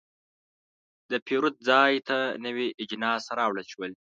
د پیرود ځای ته نوي اجناس راوړل شول.